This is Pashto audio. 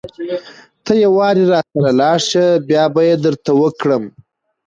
ته يوارې راسره لاړ شه بيا به يې درته وکړم.